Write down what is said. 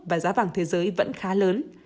và giá vàng thế giới vẫn khá lớn